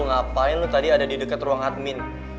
ngapain lo tadi ada di deket ruang admin